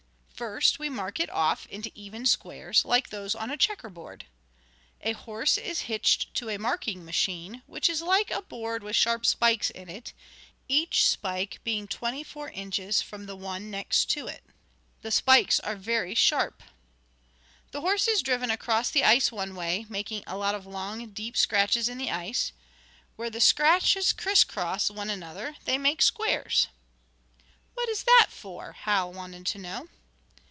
First we mark it off into even squares, like those on a checker board. A horse is hitched to a marking machine, which is like a board with sharp spikes in it, each spike being twenty four inches from the one next to it. The spikes are very sharp. "The horse is driven across the ice one way, making a lot of long, deep scratches in the ice, where the scratches criss cross one another they make squares." "What is that for?" Hal wanted to know.